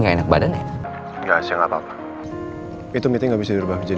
maaf pak gak bisa